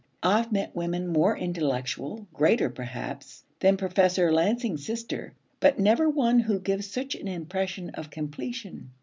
I've met women more intellectual, greater perhaps, than Professor Lansing's sister, but never one who gives such an impression of completion.